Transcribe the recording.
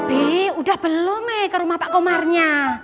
bi udah belum meh ke rumah pak komarnya